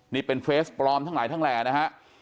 นี่เป็นฟเลสปลอมทั้งหลายแลนะฮะ